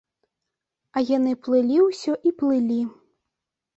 А яны плылі ўсё і плылі.